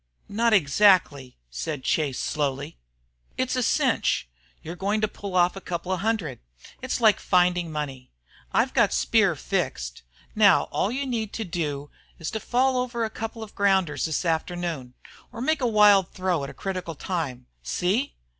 "Not exactly," said Chase, slowly. "It's a cinch. You're going to pull off a couple of hundred. It's like finding money. I've got Speer fixed. Now all you need to do is to fall over a couple of grounders this afternoon or make a wild throw at a critical time. See!"